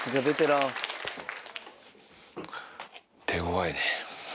手ごわいね。